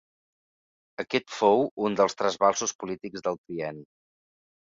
Aquest fou un dels trasbalsos polítics del trienni.